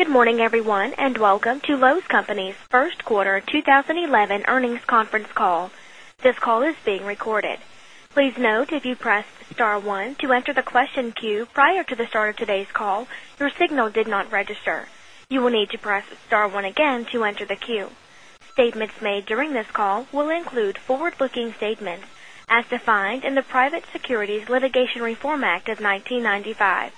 Good morning, everyone, and welcome to Lowe's Companies first Quarter 2011 Earnings Conference Call. This call is being recorded. Please note, if you pressed star one to enter the question queue prior to the start of today's call, your signal did not register. You will need to press star one again to enter the queue. Statements made during this call will include forward-looking statements, as defined in the Private Securities Litigation Reform Act of 1995.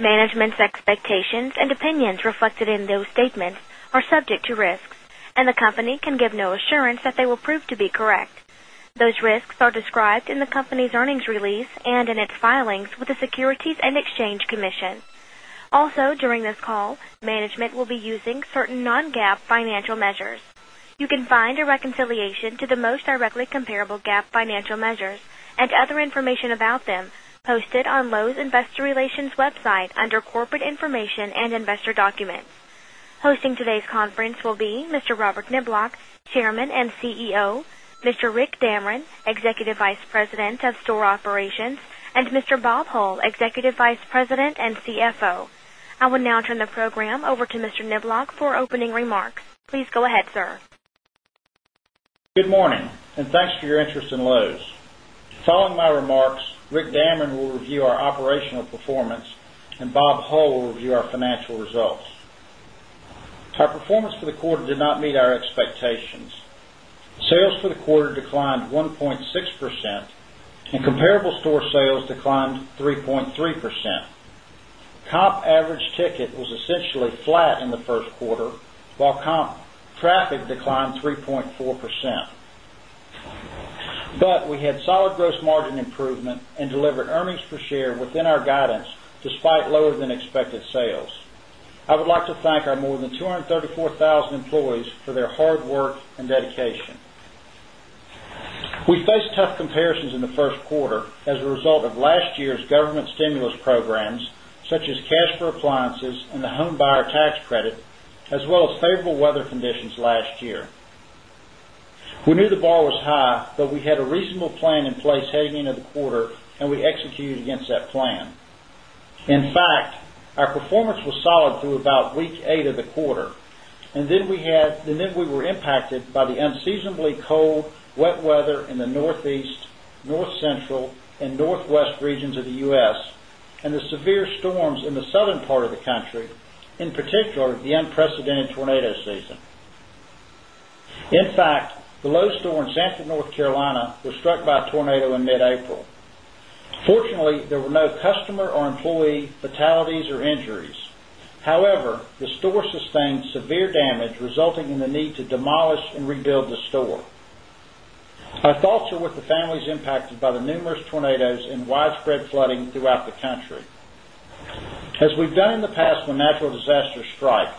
Management's expectations and opinions reflected in those statements are subject to risks, and the company can give no assurance that they will prove to be correct. Those risks are described in the company's earnings release and in its filings with the Securities and Exchange Commission. Also, during this call, management will be using certain non-GAAP financial measures. You can find a reconciliation to the most directly comparable GAAP financial measures, and other information about them posted on Lowe's Investor Relations website under Corporate Information and Investor Documents. Hosting today's conference will be Mr. Robert Niblock, Chairman and CEO, Mr. Rick Damron, Executive Vice President of Store Operations, and Mr. Bob Hull, Executive Vice President and CFO. I will now turn the program over to Mr. Niblock for opening remarks. Please go ahead, sir. Good morning, and thanks for your interest in Lowe's. Following my remarks, Rick Damron will review our operational performance, and Bob Hull will review our financial results. Our performance for the quarter did not meet our expectations. Sales for the quarter declined 1.6%, and comparable store sales declined 3.3%. Comp average ticket was essentially flat in the first quarter, while comp traffic declined 3.4%. We had solid gross margin improvement and delivered earnings per share within our guidance, despite lower than expected sales. I would like to thank our more than 234,000 employees for their hard work and dedication. We faced tough comparisons in the first quarter as a result of last year's government stimulus programs, such as cash for appliances and the home buyer tax credit, as well as favorable weather conditions last year. We knew the bar was high, but we had a reasonable plan in place heading into the quarter, and we executed against that plan. In fact, our performance was solid through about week eight of the quarter, and then we were impacted by the unseasonably cold, wet weather in the Northeast, North Central, and Northwest regions of the U.S., and the severe storms in the Southern part of the country, in particular the unprecedented tornado season. In fact, the Lowe's store in Sanford, North Carolina, was struck by a tornado in mid-April. Fortunately, there were no customer or employee fatalities or injuries. However, the store sustained severe damage, resulting in the need to demolish and rebuild the store. Our thoughts are with the families impacted by the numerous tornadoes and widespread flooding throughout the country. As we've done in the past when natural disasters strike,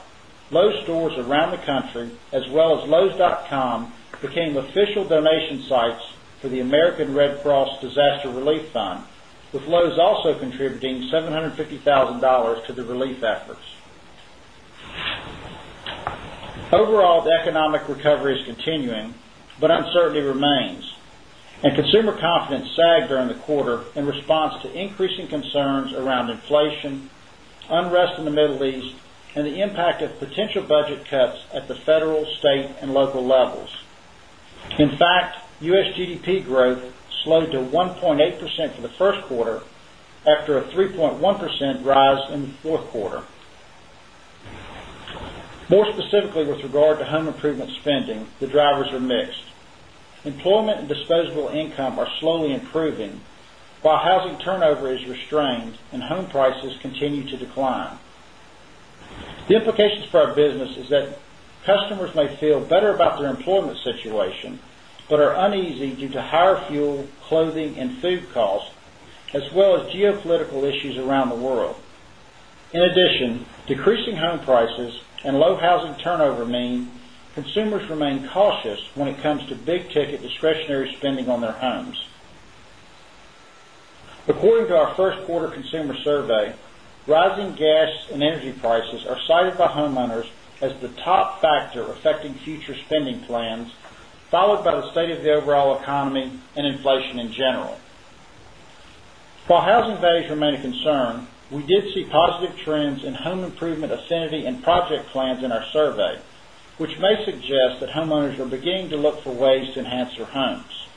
Lowe's stores around the country, as well as Lowe's.com, became official donation sites for the American Red Cross Disaster Relief Fund, with Lowe's also contributing $750,000 to the relief efforts. Overall, the economic recovery is continuing, but uncertainty remains, and consumer confidence sagged during the quarter in response to increasing concerns around inflation, unrest in the Middle East, and the impact of potential budget cuts at the federal, state, and local levels. In fact, U.S. GDP growth slowed to 1.8% for the first quarter after a 3.1% rise in the fourth quarter. More specifically, with regard to home improvement spending, the drivers are mixed. Employment and disposable income are slowly improving, while housing turnover is restrained, and home prices continue to decline. The implications for our business is that customers may feel better about their employment situation, but are uneasy due to higher fuel, clothing, and food costs, as well as geopolitical issues around the world. In addition, decreasing home prices and low housing turnover mean consumers remain cautious when it comes to big-ticket discretionary spending on their homes. According to our first quarter consumer survey, rising gas and energy prices are cited by homeowners as the top factor affecting future spending plans, followed by the state of the overall economy and inflation in general. While housing values remain a concern, we did see positive trends in home improvement affinity and project plans in our survey, which may suggest that homeowners are beginning to look for ways to enhance their homes.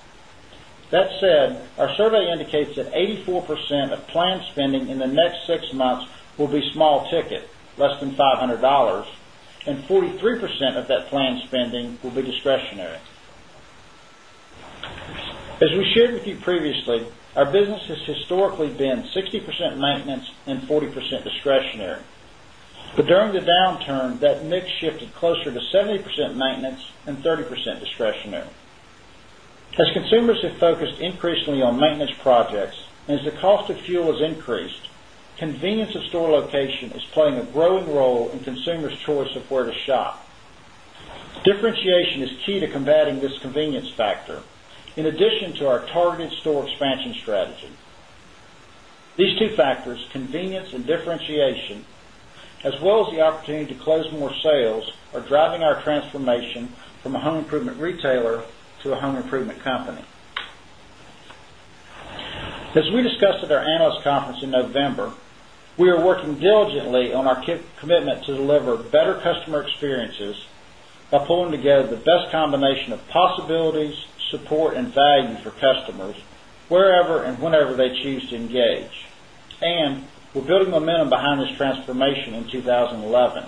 That said, our survey indicates that 84% of planned spending in the next six months will be small ticket, less than $500, and 43% of that planned spending will be discretionary. As we shared with you previously, our business has historically been 60% maintenance and 40% discretionary. During the downturn, that mix shifted closer to 70% maintenance and 30% discretionary. As consumers have focused increasingly on maintenance projects, and as the cost of fuel has increased, convenience of store location is playing a growing role in consumers' choice of where to shop. Differentiation is key to combating this convenience factor, in addition to our targeted store expansion strategy. These two factors, convenience and differentiation, as well as the opportunity to close more sales, are driving our transformation from a home improvement retailer to a home improvement company. As we discussed at our analyst conference in November, we are working diligently on our commitment to deliver better customer experiences by pulling together the best combination of possibilities, support, and value for customers, wherever and whenever they choose to engage. We're building momentum behind this transformation in 2011.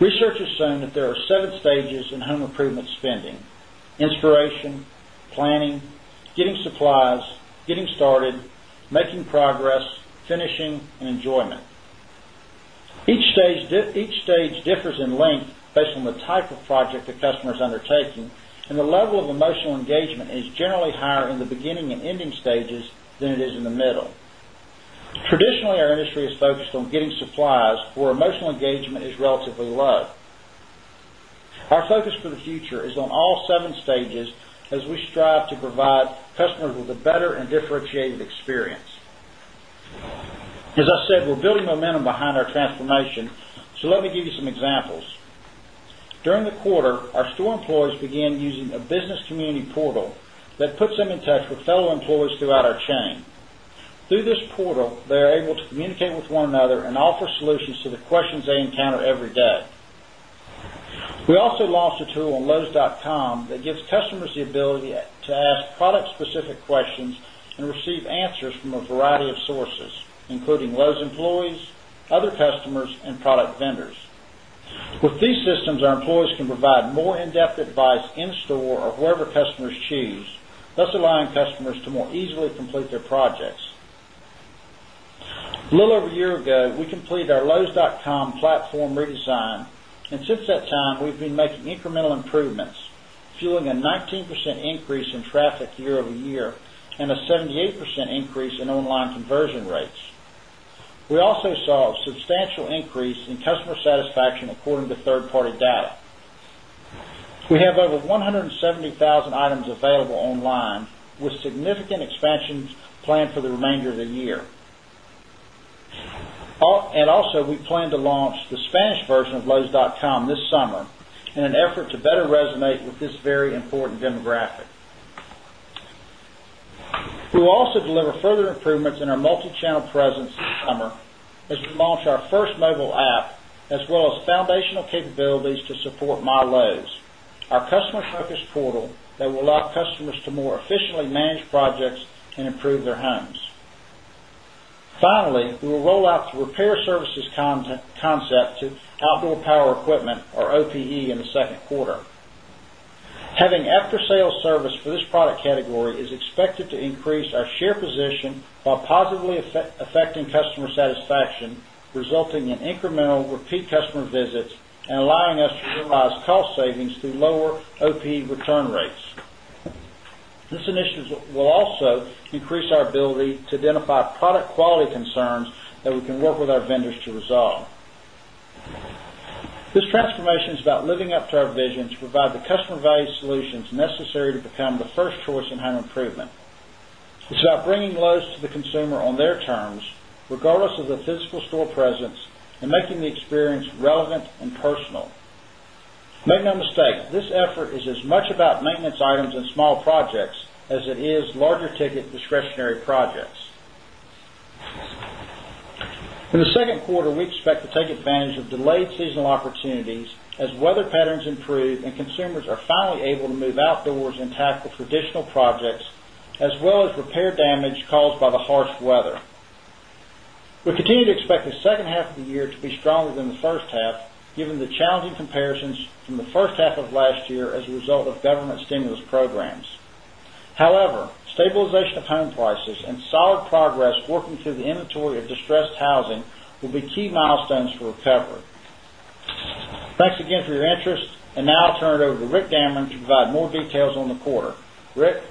Research has shown that there are seven stages in home improvement spending: inspiration, planning, getting supplies, getting started, making progress, finishing, and enjoyment. Each stage differs in length based on the type of project the customer is undertaking, and the level of emotional engagement is generally higher in the beginning and ending stages than it is in the middle. Traditionally, our industry has focused on getting supplies, where emotional engagement is relatively low. Our focus for the future is on all seven stages as we strive to provide customers with a better and differentiated experience. As I said, we're building momentum behind our transformation, so let me give you some examples. During the quarter, our store employees began using a business community portal that puts them in touch with fellow employees throughout our chain. Through this portal, they're able to communicate with one another and offer solutions to the questions they encounter every day. We also launched a tool on Lowe's.com that gives customers the ability to ask product-specific questions and receive answers from a variety of sources, including Lowe's employees, other customers, and product vendors. With these systems, our employees can provide more in-depth advice in-store or wherever customers choose, thus allowing customers to more easily complete their projects. A little over a year ago, we completed our Lowe's.com platform redesign, and since that time, we've been making incremental improvements, fueling a 19% increase in traffic year-over-year and a 78% increase in online conversion rates. We also saw a substantial increase in customer satisfaction according to third-party data. We have over 170,000 items available online, with significant expansions planned for the remainder of the year. We plan to launch the Spanish-language site of Lowe's.com this summer in an effort to better resonate with this very important demographic. We will also deliver further improvements in our multi-channel presence and launch our first new mobile app, as well as foundational capabilities to support MyLowe's, our customer-focused portal that will allow customers to more efficiently manage projects and improve their homes. Finally, we will roll out the repair services concept to outdoor power equipment, or OPE, in the second quarter. Having after-sales service for this product category is expected to increase our share position while positively affecting customer satisfaction, resulting in incremental repeat customer visits and allowing us to realize cost savings through lower OPE return rates. This initiative will also increase our ability to identify product quality concerns that we can work with our vendors to resolve. This transformation is about living up to our vision to provide the customer value solutions necessary to become the first choice in home improvement. It's about bringing Lowe's to the consumer on their terms, regardless of the physical store presence, and making the experience relevant and personal. Make no mistake, this effort is as much about maintenance items and small projects as it is larger-ticket, discretionary projects. In the second quarter, we expect to take advantage of delayed seasonal opportunities as weather patterns improve and consumers are finally able to move outdoors and tackle traditional projects, as well as repair damage caused by the harsh weather. We continue to expect the second half of the year to be stronger than the first half, given the challenging comparisons from the first half of last year as a result of government stimulus programs. However, stabilization of home prices and solid progress working through the inventory of distressed housing will be key milestones to recover. Thanks again for your interest, and now I'll turn it over to Rick Damron to provide more details on the quarter. Rick?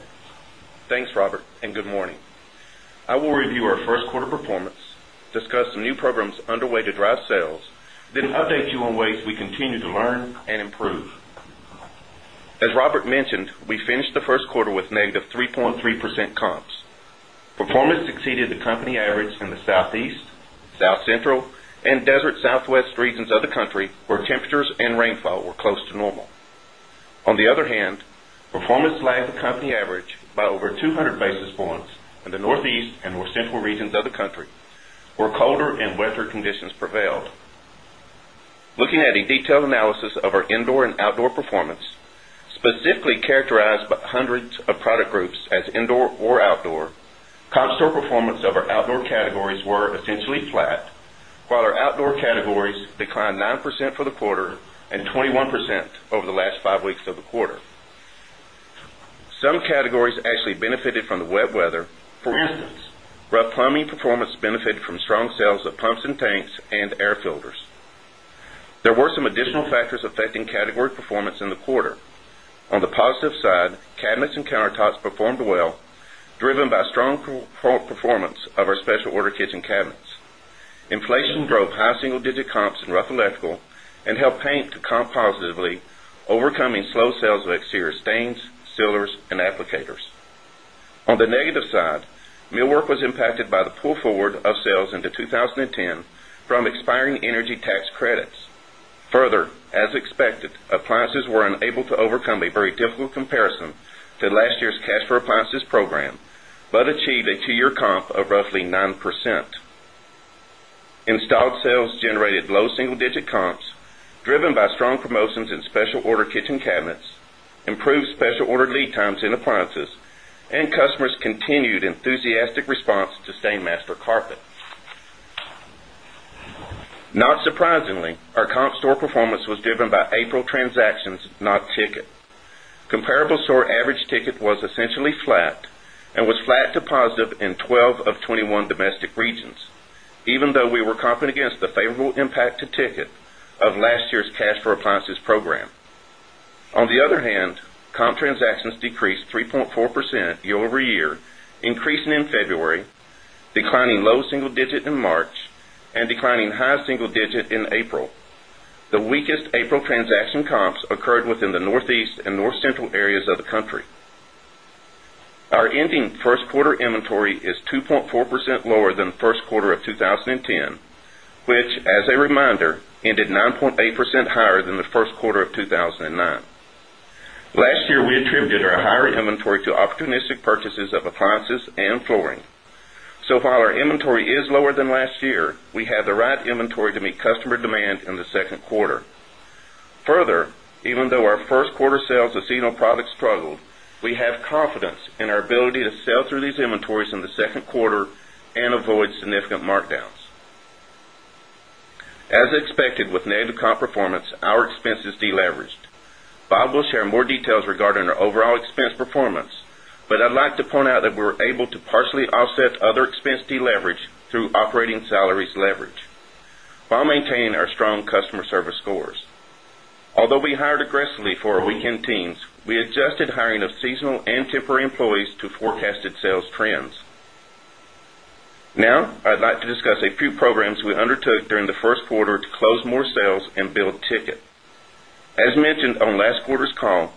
Thanks, Robert, and good morning. I will review our first quarter performance, discuss some new programs underway to drive sales, then update you on ways we continue to learn and improve. As Robert mentioned, we finished the first quarter with -3.3% comps. Performance exceeded the company average in the Southeast, South Central, and Desert Southwest regions of the country, where temperatures and rainfall were close to normal. On the other hand, performance lagged the company average by over 200 basis points in the Northeast U.S. and North Central U.S. regions of the country, where colder and wetter conditions prevailed. Looking at a detailed analysis of our indoor and outdoor performance, specifically characterized by hundreds of product groups as indoor or outdoor, comp store performance of our indoor categories were essentially flat, while our outdoor categories declined 9% for the quarter and 21% over the last five weeks of the quarter. Some categories actually benefited from the wet weather. For instance, rough plumbing performance benefited from strong sales of pumps and tanks and air filters. There were some additional factors affecting category performance in the quarter. On the positive side, cabinets and countertops performed well, driven by strong performance of our special order kitchen cabinets. Inflation drove high single-digit comps in rough electrical and helped paint to comp positively, overcoming slow sales of exterior stains, sealers, and applicators. On the negative side, millwork was impacted by the pull forward of sales into 2010 from expiring energy tax credits. Further, as expected, appliances were unable to overcome a very difficult comparison to last year's cash for appliances program, but achieved a two-year comp of roughly 9%. Installed sales generated low single-digit comps, driven by strong promotions in special order kitchen cabinets, improved special order lead times in appliances, and customers' continued enthusiastic response to STAINMASTER carpet. Not surprisingly, our comp store performance was driven by April transactions, not ticket. Comparable store average ticket was essentially flat and was flat to positive in 12 of 21 domestic regions, even though we were comping against the favorable impact to ticket of last year's cash for appliances program. On the other hand, comp transactions decreased 3.4% year-over-year, increasing in February, declining low single-digit in March, and declining high single-digit in April. The weakest April transaction comps occurred within the Northeast and North Central areas of the country. Our ending first quarter inventory is 2.4% lower than the first quarter of 2010, which, as a reminder, ended 9.8% higher than the first quarter of 2009. Last year, we attributed our higher inventory to opportunistic purchases of appliances and flooring, so far our inventory is lower than last year, we have the right inventory to meet customer demand in the second quarter. Further, even though our first quarter sales of seasonal products struggled, we have confidence in our ability to sell through these inventories in the second quarter and avoid significant markdowns. As expected, with negative comp performance, our expenses deleveraged. Bob will share more details regarding our overall expense performance, but I'd like to point out that we were able to partially offset other expense deleverage through operating salaries leverage, while maintaining our strong customer service scores. Although we hired aggressively for our weekend teams, we adjusted hiring of seasonal and temporary employees to forecasted sales trends. Now, I'd like to discuss a few programs we undertook during the first quarter to close more sales and build ticket. As mentioned on last quarter's call,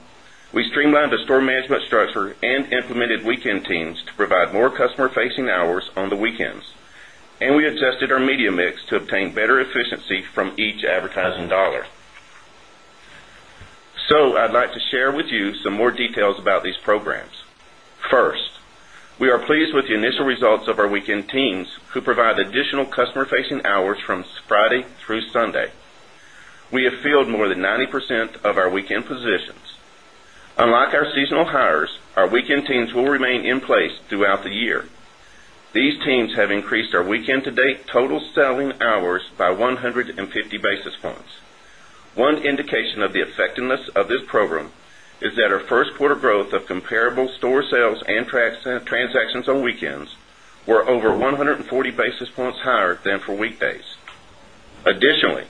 we streamlined the store management structure and implemented weekend teams to provide more customer-facing hours on the weekends, and we adjusted our media mix to obtain better efficiency from each advertising dollar, so I'd like to share with you some more details about these programs; First, we are pleased with the initial results of our weekend teams, who provide additional customer-facing hours from Friday through Sunday. We have filled more than 90% of our weekend positions. Unlike our seasonal hires, our weekend teams will remain in place throughout the year. These teams have increased our weekend-to-date total selling hours by 150 basis points. One indication of the effectiveness of this program is that our first quarter growth of comparable store sales and transactions on weekends were over 140 basis points higher than for weekdays. Additionally,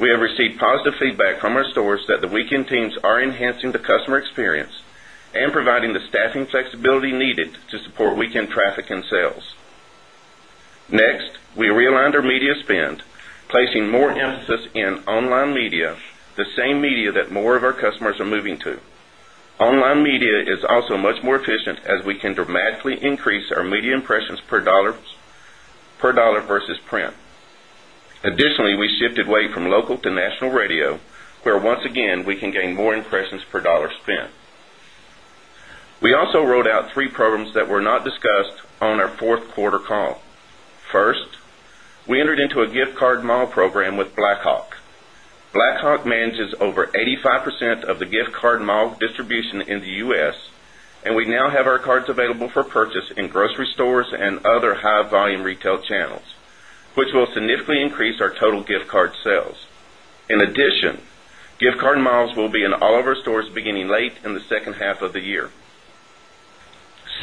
we have received positive feedback from our stores that the weekend teams are enhancing the customer experience and providing the staffing flexibility needed to support weekend traffic and sales. Next, we realigned our media spend, placing more emphasis in online media, the same media that more of our customers are moving to. Online media is also much more efficient, as we can dramatically increase our media impressions per dollar versus print. Additionally, we shifted weight from local to national radio, where once again we can gain more impressions per dollar spent. We also rolled out three programs that were not discussed on our fourth quarter call First, we entered into a gift card mall program with Blackhawk. Blackhawk manages over 85% of the gift card mall distribution in the U.S., and we now have our cards available for purchase in grocery stores and other high-volume retail channels, which will significantly increase our total gift card sales. In addition, gift card malls will be in all of our stores beginning late in the second half of the year.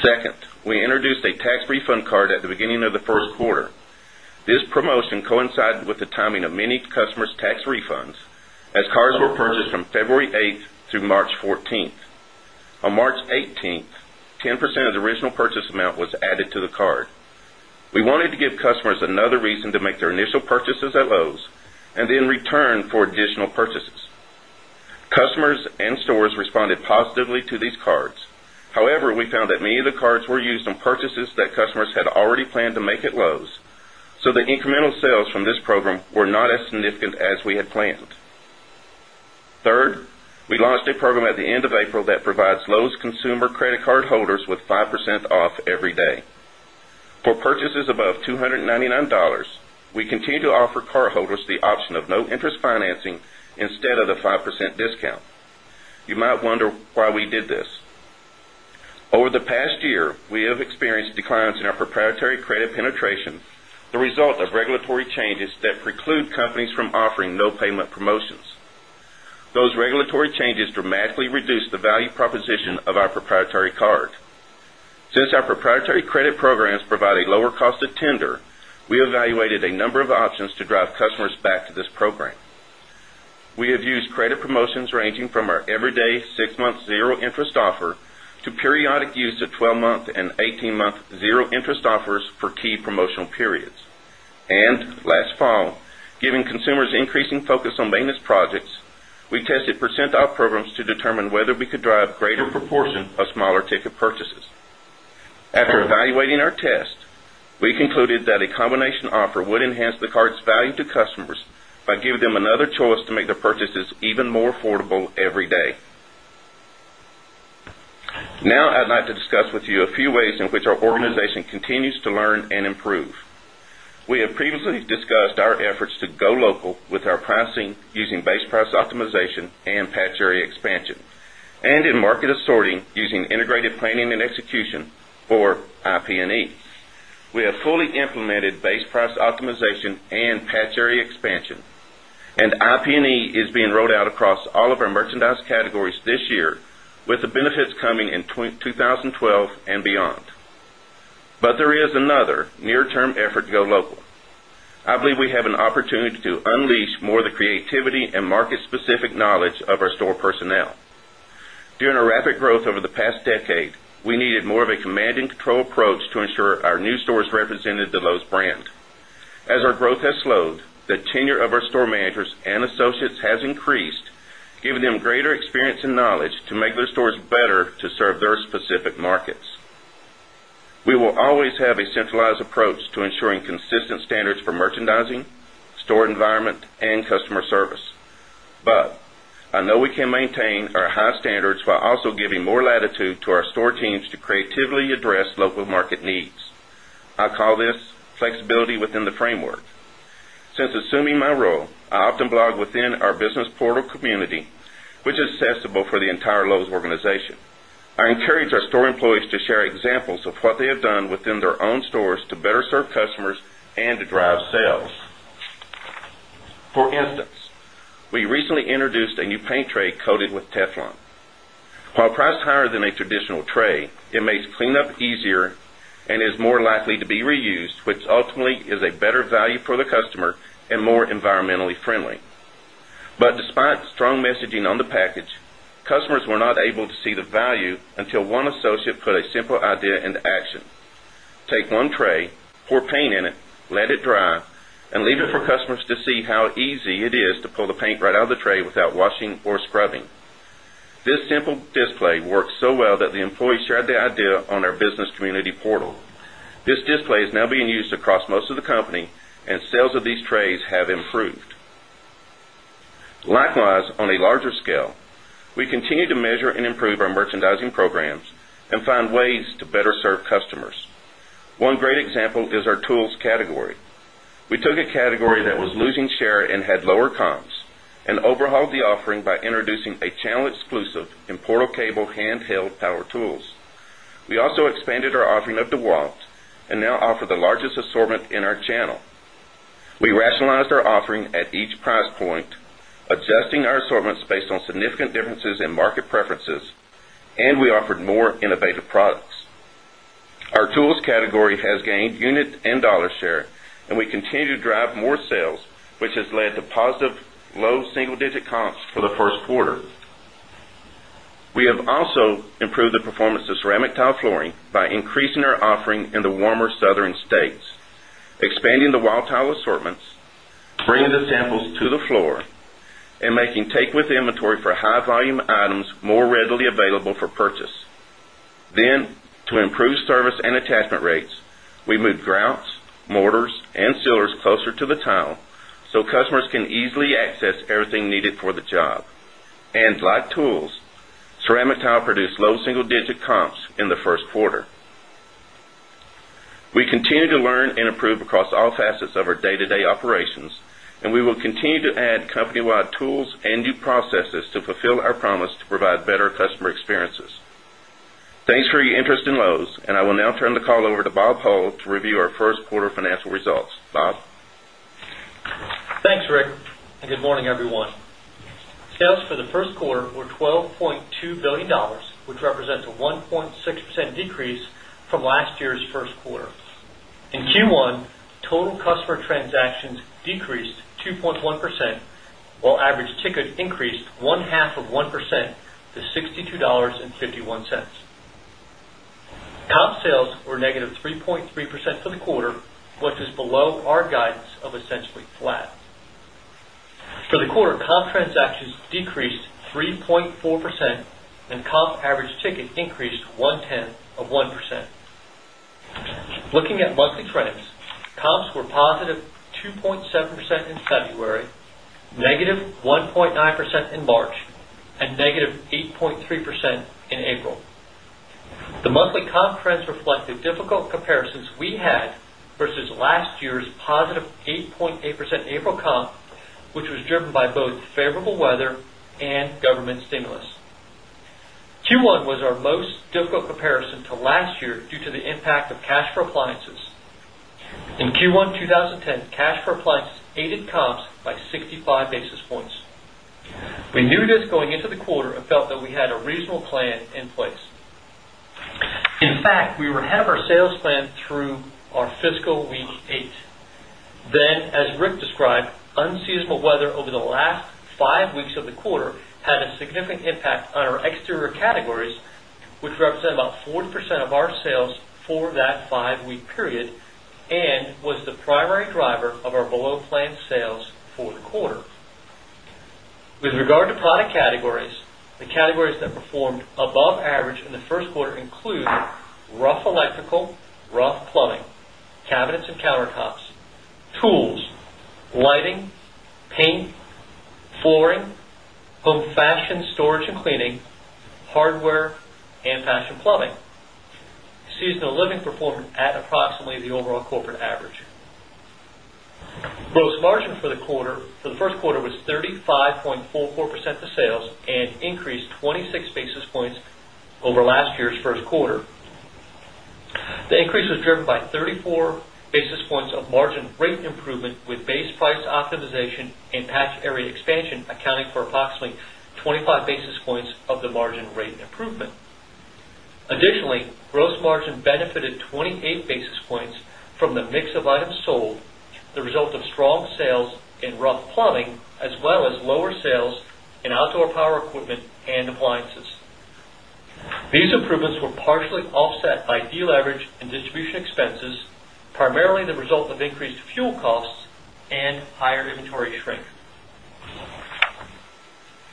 Second, we introduced a tax refund card at the beginning of the first quarter. This promotion coincided with the timing of many customers' tax refunds, as cards were purchased from February 8th through March 14th. On March 18th, 10% of the original purchase amount was added to the card. We wanted to give customers another reason to make their initial purchases at Lowe's and then return for additional purchases. Customers and stores responded positively to these cards. However, we found that many of the cards were used on purchases that customers had already planned to make at Lowe's, so the incremental sales from this program were not as significant as we had planned. Third, we launched a program at the end of April that provides Lowe's consumer credit card holders with 5% off every day. For purchases above $299, we continue to offer card holders the option of no-interest financing instead of the 5% discount. You might wonder why we did this. Over the past year, we have experienced declines in our proprietary credit penetration, the result of regulatory changes that preclude companies from offering no-payment promotions. Those regulatory changes dramatically reduced the value proposition of our proprietary card. Since our proprietary credit programs provide a lower cost of tender, we evaluated a number of options to drive customers back to this program. We have used credit promotions ranging from our everyday six-month zero-interest offer to periodic use of 12-month and 18-month zero-interest offers for key promotional periods. Last fall, given consumers' increasing focus on maintenance projects, we tested percentile programs to determine whether we could drive a greater proportion of smaller-ticket purchases. After evaluating our test, we concluded that a combination offer would enhance the card's value to customers by giving them another choice to make their purchases even more affordable every day. Now, I'd like to discuss with you a few ways in which our organization continues to learn and improve. We have previously discussed our efforts to go local with our pricing using base price optimization and patch area expansion, and in market assorting using integrated planning and execution, or IP&E. We have fully implemented base price optimization and patch area expansion, and IP&E is being rolled out across all of our merchandise categories this year, with the benefits coming in 2012 and beyond. There is another near-term effort to go local. I believe we have an opportunity to unleash more of the creativity and market-specific knowledge of our store personnel. During our rapid growth over the past decade, we needed more of a command-and-control approach to ensure our new stores represented the Lowe's brand. As our growth has slowed, the tenure of our store managers and associates has increased, giving them greater experience and knowledge to make their stores better to serve their specific markets. We will always have a centralized approach to ensuring consistent standards for merchandising, store environment, and customer service. I know we can maintain our high standards while also giving more latitude to our store teams to creatively address local market needs. I call this flexibility within the framework. Since assuming my role, I often blog within our business portal community, which is accessible for the entire Lowe's organization. I encourage our store employees to share examples of what they have done within their own stores to better serve customers and to drive sales. For instance, we recently introduced a new paint tray coated with Teflon. While the price is higher than a traditional tray, it makes cleanup easier and is more likely to be reused, which ultimately is a better value for the customer and more environmentally friendly. Despite strong messaging on the package, customers were not able to see the value until one associate put a simple idea into action: take one tray, pour paint in it, let it dry, and leave it for customers to see how easy it is to pull the paint right out of the tray without washing or scrubbing. This simple display worked so well that the employees shared the idea on our business community portal. This display is now being used across most of the company, and sales of these trays have improved. Likewise, on a larger scale, we continue to measure and improve our merchandising programs and find ways to better serve customers. One great example is our tools category. We took a category that was losing share and had lower comps and overhauled the offering by introducing a channel exclusive in porter-cable handheld power tools. We also expanded our offering of dewalt, and now offer the largest assortment in our channel. We rationalized our offering at each price point, adjusting our assortments based on significant differences in market preferences, and we offered more innovative products. Our tools category has gained unit and dollar share, and we continue to drive more sales, which has led to positive low single-digit comps for the first quarter. We have also improved the performance of ceramic tile flooring by increasing our offering in the warmer Southern states, expanding the wall tile assortments, bringing the samples to the floor, and making take-with-inventory for high-volume items more readily available for purchase. To improve service and attachment rates, we moved grouts, mortars, and sealers closer to the tile so customers can easily access everything needed for the job. Like tools, ceramic tile produced low single-digit comps in the first quarter. We continue to learn and improve across all facets of our day-to-day operations, and we will continue to add company-wide tools and new processes to fulfill our promise to provide better customer experiences. Thanks for your interest in Lowe's, and I will now turn the call over to Bob Hull to review our first quarter financial results. Bob? Thanks, Rick, and good morning, everyone. Sales for the first quarter were $12.2 billion, which represents a 1.6% decrease from last year's first quarter. In Q1, total customer transactions decreased 2.1%, while average ticket increased 1/2 of 1% to $62.51. Comp sales were -3.3% for the quarter, which is below our guides of essentially flat. For the quarter, comp transactions decreased 3.4%, and comp average ticket increased 1/10 of 1%. Looking at monthly trends, comps were +2.7% in February, -1.9% in March, and -8.3% in April. The monthly comp trends reflected difficult comparisons we had versus last year's +8.8% April comp, which was driven by both favorable weather and government stimulus. Q1 was our most difficult comparison to last year due to the impact of cash for appliances. In Q1 2010, cash for appliances aided comps by 65 basis points. We knew this going into the quarter and felt that we had a reasonable plan in place. In fact, we were ahead of our sales plan through our fiscal week eight. As Rick described, unseasonable weather over the last five weeks of the quarter had a significant impact on our exterior categories, which represent about 40% of our sales for that five-week period and was the primary driver of our below-planned sales for the quarter. With regard to product categories, the categories that performed above average in the first quarter include rough electrical, rough plumbing, cabinets and countertops, tools, lighting, paint, flooring, home fasten storage and cleaning, hardware, and fashion plumbing. Seasonal living performed at approximately the overall corporate average. Gross margin for the first quarter was 35.44% of sales and increased 26 basis points over last year's first quarter. The increase was driven by 34 basis points of margin rate improvement with base price optimization and patch area expansion accounting for approximately 25 basis points of the margin rate improvement. Additionally, gross margin benefited 28 basis points from the mix of items sold, the result of strong sales in rough plumbing, as well as lower sales in outdoor power equipment and appliances. These improvements were partially offset by de-leverage in distribution expenses, primarily the result of increased fuel costs and higher inventory strength.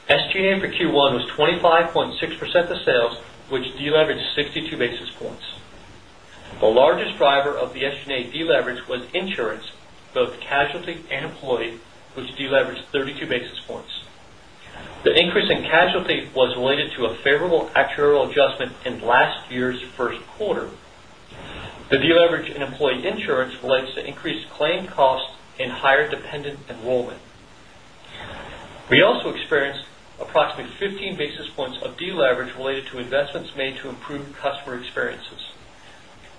SG&A for Q1 was 25.6% of sales, which de-leveraged 62 basis points. The largest driver of the SG&A de-leverage was insurance, both casualty and employee, which de-leveraged 32 basis points. The increase in casualty was related to a favorable actuarial adjustment in last year's first quarter. The de-leverage in employee insurance relates to increased claim costs and higher dependent enrollment. We also experienced approximately 15 basis points of de-leverage related to investments made to improve customer experiences.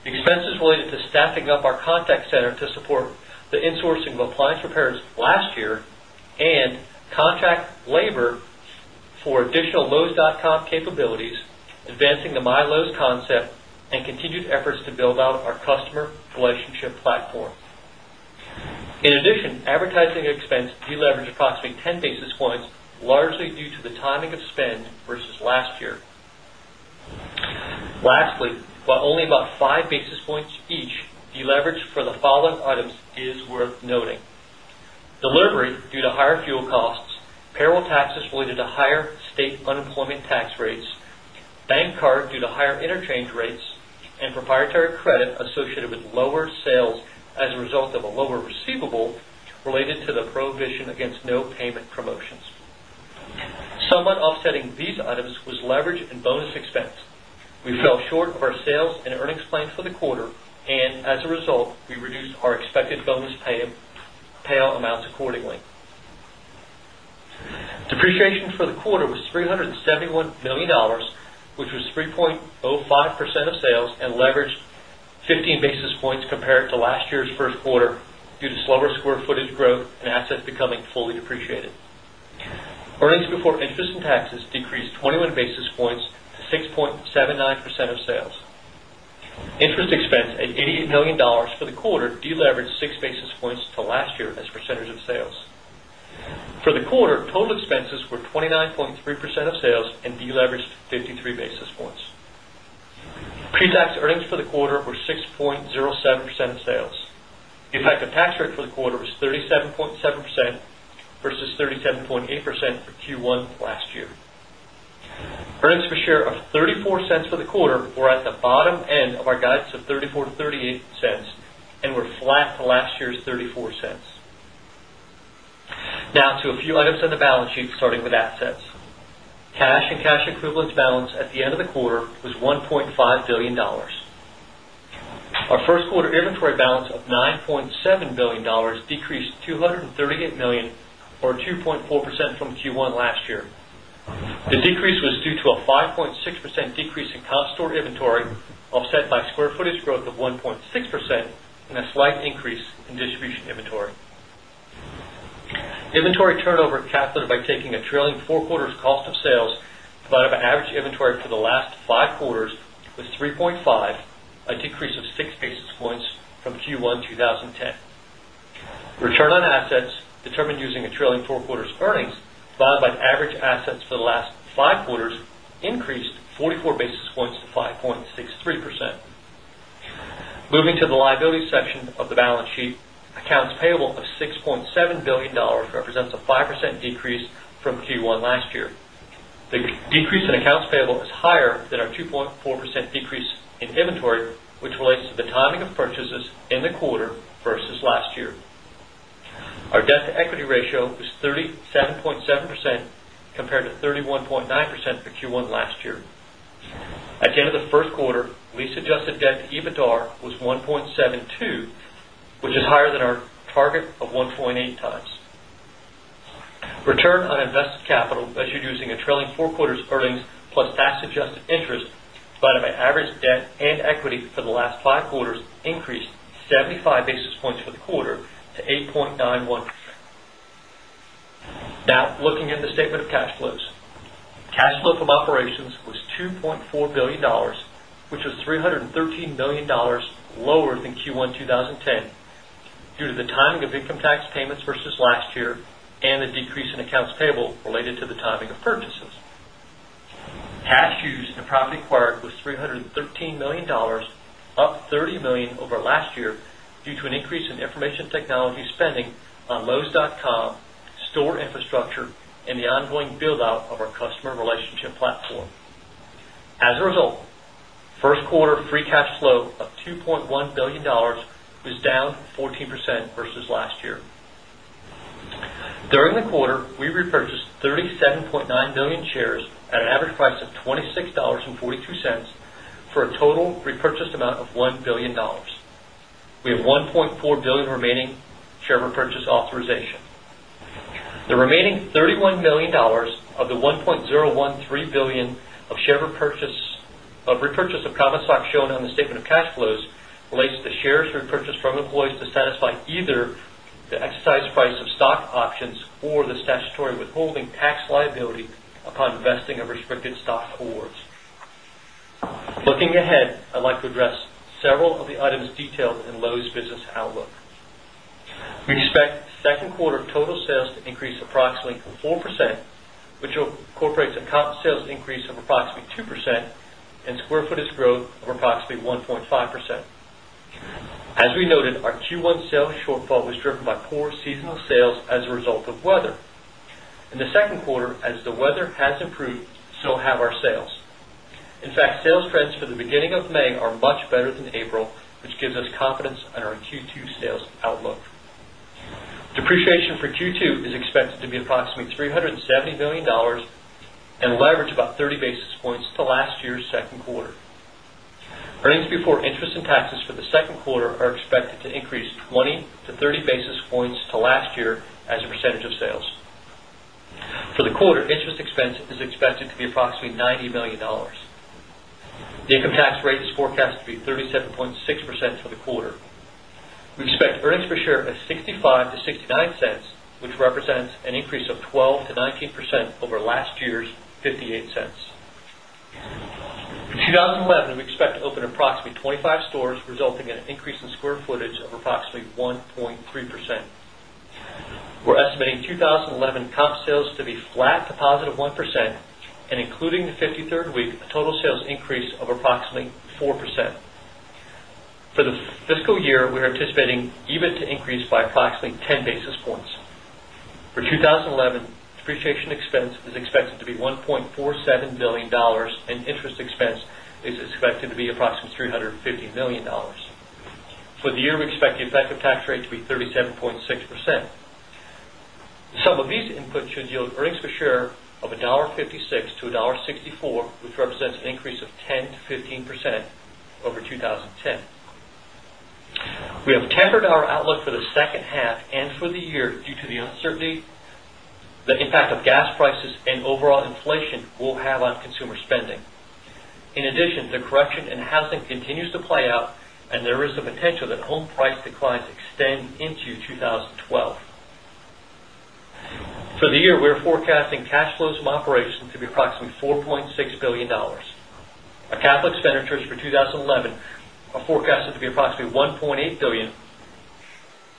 The expenses related to staffing up our contact center to support the insourcing of appliance repairs last year and contract labor for additional Lowe’s.com capabilities, advancing the MyLowe’s concept and continued efforts to build out our customer relationship platform. In addition, advertising expense de-leveraged approximately 10 basis points, largely due to the timing of spend versus last year. Lastly, but only about 5 basis points each de-leveraged for the following items is worth noting: delivery due to higher fuel costs, payroll taxes related to higher state unemployment tax rates, bank card due to higher interchange rates, and proprietary credit associated with lower sales as a result of a lower receivable related to the prohibition against no-payment promotions. Somewhat offsetting these items was leverage in bonus expense. We fell short of our sales and earnings plan for the quarter, and as a result, we reduced our expected bonus payout amounts accordingly. Depreciation for the quarter was $371 million, which was 3.05% of sales and leveraged 15 basis points compared to last year's first quarter due to slower square footage growth and assets becoming fully depreciated. Earnings before interest and taxes decreased 21 basis points to 6.79% of sales. Interest expense of $88 million for the quarter de-leveraged 6 basis points to last year as a percentage of sales. For the quarter, total expenses were 29.3% of sales and de-leveraged 53 basis points. Pre-tax earnings for the quarter were 6.07% of sales. In fact, the tax rate for the quarter was 37.7% versus 37.8% for Q1 last year. Earnings per share of $0.34 for the quarter were at the bottom end of our guides of $0.34-$0.38 and were flat to last year's $0.34. Now to a few items on the balance sheet, starting with assets. Cash and cash equivalents balance at the end of the quarter was $1.5 billion. Our first quarter inventory balance of $9.7 billion decreased $238 million, or 2.4% from Q1 last year. The decrease was due to a 5.6% decrease in comparable store inventory offset by square footage growth of 1.6% and a slight increase in distribution inventory. Inventory turnover calculated by taking a trailing four quarters cost of sales divided by average inventory for the last five quarters, was 3.5%, a decrease of 6 basis points from Q1 2010. Return on assets, determined using a trailing four quarters earnings followed by average assets for the last five quarters, increased 44 basis points to 5.63%. Moving to the liability section of the balance sheet, accounts payable of $6.7 billion represents a 5% decrease from Q1 last year. The decrease in accounts payable is higher than our 2.4% decrease in inventory, which relates to the timing of purchases in the quarter versus last year. Our debt-to-equity ratio was 37.7% compared to 31.9% for Q1 last year. At the end of the first quarter, lease-adjusted debt EBITDA was 1.72, which is higher than our target of 1.8x. Return on invested capital, measured using a trailing four quarters earnings plus tax-adjusted interest divided by average debt and equity for the last five quarters, increased 75 basis points for the quarter to 8.91%. Now looking at the statement of cash flows, cash flow from operations was $2.4 billion, which was $313 million lower than Q1 2010 due to the timing of income tax payments versus last year and the decrease in accounts payable related to the timing of purchases. Cash used in property acquired was $313 million, up $30 million over last year due to an increase in information technology spending on Lowe's.com, store infrastructure, and the ongoing build-out of our customer relationship platform. As a result, first quarter free cash flow of $2.1 billion was down 14% versus last year. During the quarter, we repurchased 37.9 million shares at an average price of $26.42 for a total repurchase amount of $1 billion. We have $1.4 billion remaining share repurchase authorization. The remaining $31 million of the $1.013 billion of share repurchase of common stock shown on the statement of cash flows relates to the shares repurchased from employees to satisfy either the exercise price of stock options or the statutory withholding tax liability upon vesting in restricted stock awards. Looking ahead, I'd like to address several of the items detailed in Lowe's business outlook. We expect second quarter total sales to increase approximately 4%, which will incorporate some comp sales increase of approximately 2% and square footage growth of approximately 1.5%. As we noted, our Q1 sales shortfall was driven by poor seasonal sales as a result of weather. In the second quarter, as the weather has improved, so have our sales. In fact, sales trends for the beginning of May are much better than April, which gives us confidence in our Q2 sales outlook. Depreciation for Q2 is expected to be approximately $370 million and leverage about 30 basis points to last year's second quarter. Earnings before interest and taxes for the second quarter are expected to increase 20-30 basis points to last year as a percentage of sales. For the quarter, interest expense is expected to be approximately $90 million. The income tax rate is forecast to be 37.6% for the quarter. We expect earnings per share at $0.65-$0.69, which represents an increase of 12%-19% over last year's $0.58. In 2011, we expect to open approximately 25 stores, resulting in an increase in square footage of approximately 1.3%. We're estimating 2011 comp sales to be flat, a positive 1%, and including the 53rd week, a total sales increase of approximately 4%. For the fiscal year, we're anticipating EBIT to increase by approximately 10 basis points. For 2011, depreciation expense is expected to be $1.47 billion, and interest expense is expected to be approximately $350 million. For the year, we expect the effective tax rate to be 37.6%. Some of these inputs should yield earnings per share of $1.56-$1.64, which represents an increase of 10%-15% over 2010. We have a temporary outlook for the second half and for the year due to the uncertainty, the impact of gas prices, and overall inflation we'll have on consumer spending. In addition, the correction in housing continues to play out, and there is the potential that home price declines extend into 2012. For the year, we're forecasting cash flows from operations to be approximately $4.6 billion. Our capital expenditures for 2011 are forecasted to be approximately $1.8 billion,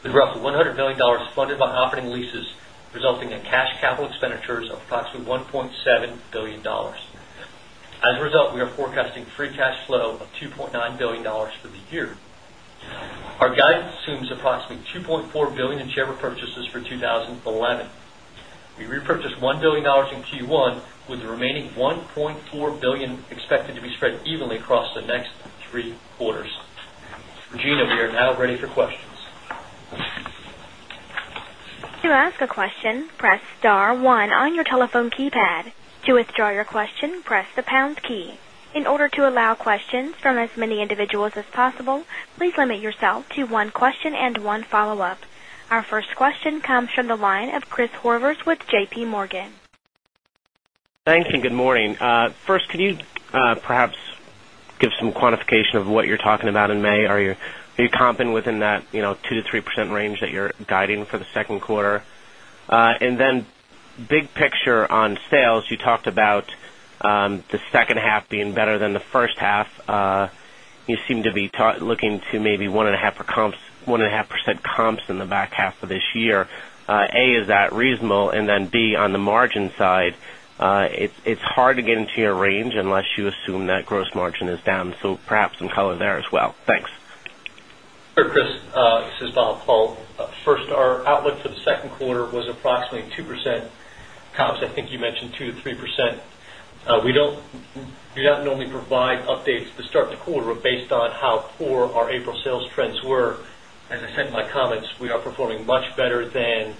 with roughly $100 million funded by offered and leases, resulting in cash capital expenditures of approximately $1.7 billion. As a result, we are forecasting free cash flow of $2.9 billion for the year. Our guidance assumes approximately $2.4 billion in share repurchases for 2011. We repurchased $1 billion in Q1, with the remaining $1.4 billion expected to be spread evenly across the next three quarters. Regina, we are now ready for questions. To ask a question, press star one on your telephone keypad. To withdraw your question, press the pound key. In order to allow questions from as many individuals as possible, please limit yourself to one question and one follow-up. Our first question comes from the line of Chris Horvers with JPMorgan. Thanks, and good morning. First, can you perhaps give some quantification of what you're talking about in May? Are you comping within that 2%-3% range that you're guiding for the second quarter? Big picture on sales, you talked about the second half being better than the first half. You seem to be looking to maybe 1.5% comps in the back half of this year. A) is that reasonable? B) on the margin side, it's hard to get into your range unless you assume that gross margin is down. Perhaps some color there as well. Thanks. This is Bob Hull. First, our outlook for the second quarter was approximately 2% comps. I think you mentioned 2%-3%. We don't normally provide updates to start the quarter based on how poor our April sales trends were. As I said in my comments, we are performing much better than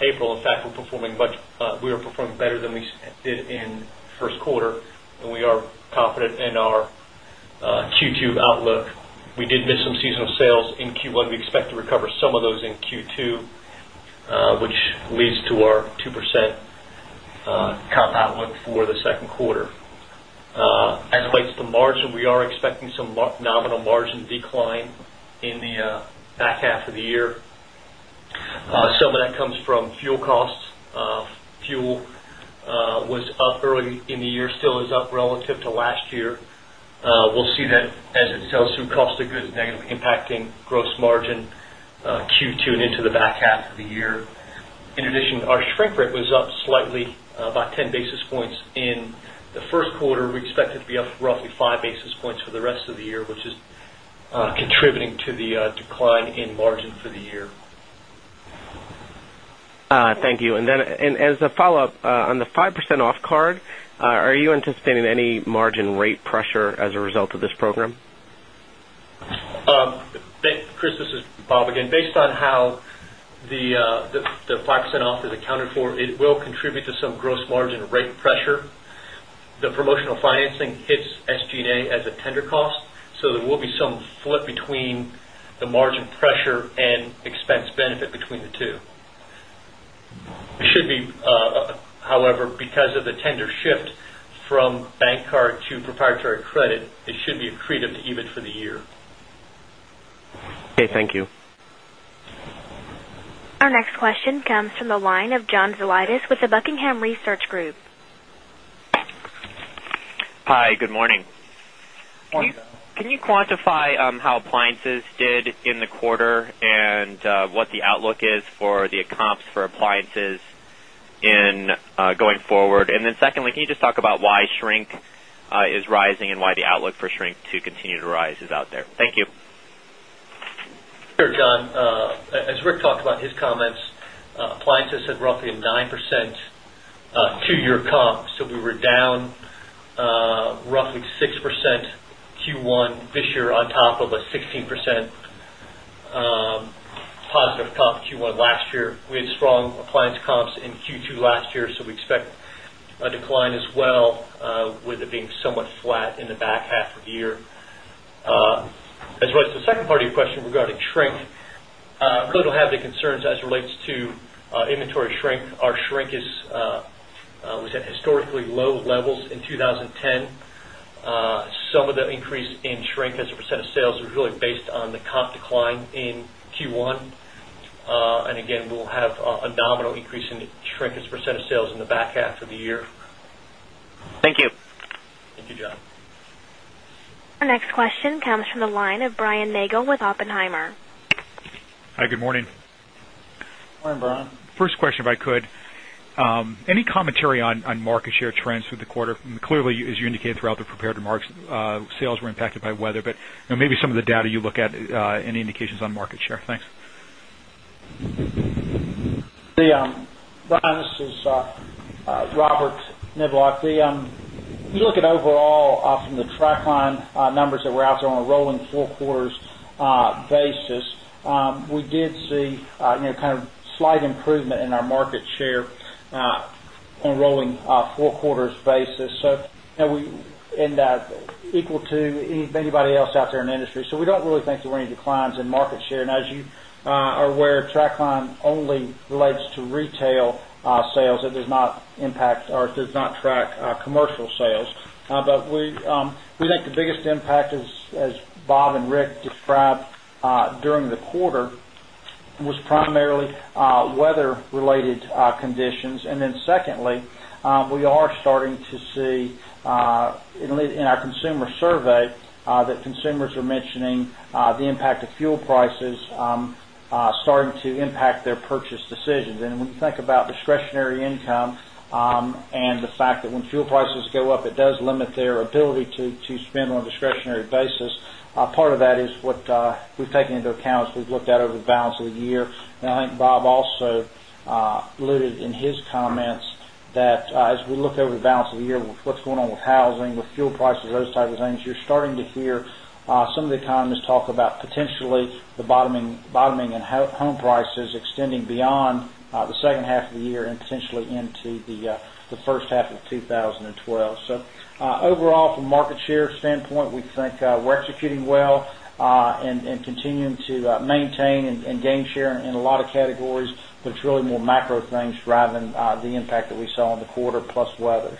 April. In fact, we're performing better than we did in the first quarter, and we are confident in our Q2 outlook. We did miss some seasonal sales in Q1. We expect to recover some of those in Q2, which leads to our 2% comp outlook for the second quarter. As it relates to margin, we are expecting some nominal margin decline in the back half of the year. Some of that comes from fuel costs. Fuel was up early in the year, still is up relative to last year. We'll see that as it sells through cost of goods, negatively impacting gross margin Q2 and into the back half of the year. In addition, our shrink rate was up slightly, about 10 basis points in the first quarter. We expect it to be up roughly 5 basis points for the rest of the year, which is contributing to the decline in margin for the year. Thank you. As a follow-up, on the 5% off card, are you anticipating any margin rate pressure as a result of this program? Thanks, Chris. This is Bob again. Based on how the 5% off is accounted for, it will contribute to some gross margin rate pressure. The promotional financing hits SG&A as a tender cost, so there will be some flip between the margin pressure and expense benefit between the two. It should be, however, because of the tender shift from bank card to proprietary credit, it should be accretive EBIT for the year. Okay, thank you. Our next question comes from the line of John Zolidis with the Buckingham Research Group. Hi, good morning. Can you quantify on how appliances did in the quarter and what the outlook is for the comps for appliances going forward? Secondly, can you just talk about why shrink is rising and why the outlook for shrink to continue to rise is out there? Thank you. Sure, John. As Rick talked about in his comments, appliances had roughly a 9% two-year comp, so we were down roughly 6% Q1 this year on top of a 16% positive comp Q1 last year. We had strong appliance comps in Q2 last year, so we expect a decline as well, with it being somewhat flat in the back half of the year. As it relates to the second part of your question regarding shrink, I really don't have any concerns as it relates to inventory shrink. Our shrink was at historically low levels in 2010. Some of the increase in shrink as a % of sales was really based on the comp decline in Q1. We'll have a nominal increase in shrink as a % of sales in the back half of the year. Thank you. Thank you, John. Our next question comes from the line of Brian Nagel with Oppenheimer. Hi, good morning. Morning, Brian. First question, if I could, any commentary on market share trends for the quarter? Clearly, as you indicated throughout the prepared remarks, sales were impacted by weather, but maybe some of the data you look at, any indications on market share? Thanks. The honesty is, Robert Niblock, you look at overall from the track line numbers that were out there on a rolling four-quarters basis, we did see kind of slight improvement in our market share on a rolling four-quarters basis. We end up equal to anybody else out there in the industry, so we don't really think there were any declines in market share. As you are aware, track line only relates to retail sales. It does not impact or it does not track commercial sales. We think the biggest impact, as Bob and Rick described during the quarter, was primarily weather-related conditions. Secondly, we are starting to see in our consumer survey that consumers are mentioning the impact of fuel prices starting to impact their purchase decisions. When you think about discretionary income and the fact that when fuel prices go up, it does limit their ability to spend on a discretionary basis. Part of that is what we've taken into account as we've looked at over the balance of the year. I think Bob also alluded in his comments that as we look over the balance of the year, what's going on with housing, with fuel prices, those types of things, you're starting to hear some of the economists talk about potentially the bottoming in home prices extending beyond the second half of the year and potentially into the first half of 2012. Overall, from a market share standpoint, we think we're executing well and continuing to maintain and gain share in a lot of categories, but it's really more macro things rather than the impact that we saw in the quarter plus weather.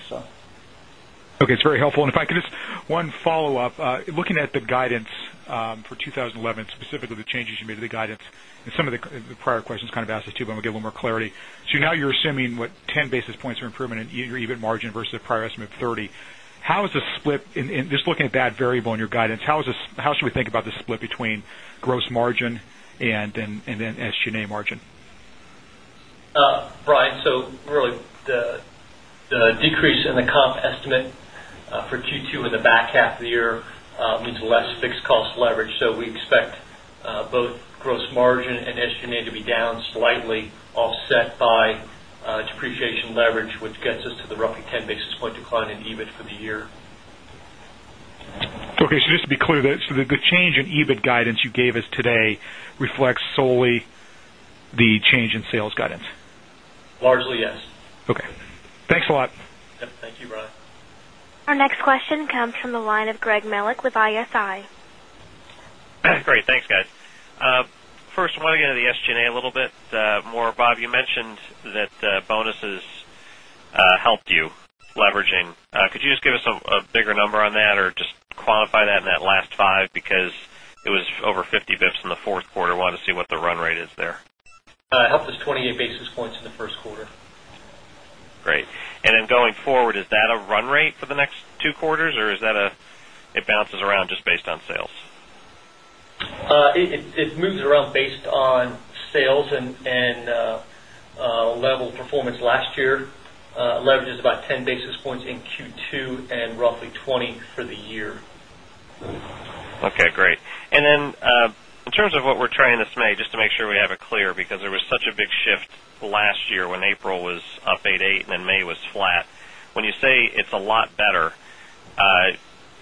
Okay. It's very helpful. If I could just one follow-up, looking at the guidance for 2011, specifically the changes you made to the guidance, and some of the prior questions kind of asked this too, I'm going to give a little more clarity. Now you're assuming what, 10 basis points of improvement in your EBIT margin versus a prior estimate of 30. How is the split in just looking at that variable in your guidance, how should we think about the split between gross margin and then SG&A margin? Brian, really, the decrease in the comp estimate for Q2 in the back half of the year means less fixed cost leverage. We expect both gross margin and SG&A to be down slightly, offset by depreciation leverage, which gets us to the roughly 10 basis point decline in EBIT for the year. Okay, just to be clear, the change in EBIT guidance you gave us today reflects solely the change in sales guidance? Largely, yes. Okay, thanks a lot. Thank you, Brian. Our next question comes from the line of Greg Melich with ISI. Great. Thanks, guys. First, I want to get into the SG&A a little bit more. Bob, you mentioned that bonuses helped you leveraging. Could you just give us a bigger number on that or just quantify that in that last five because it was over 50 basis point in the fourth quarter? I wanted to see what the run rate is there. It helped us 28 basis points in the first quarter. Great. Going forward, is that a run rate for the next two quarters, or is that it bounces around just based on sales? It moves it around based on sales and level of performance last year. Leverage is about 10 basis point in Q2 and roughly 20 basis point for the year. Okay. Great. In terms of what we're trying to say, just to make sure we have it clear, because there was such a big shift last year when April was up 8.8% and then May was flat, when you say it's a lot better,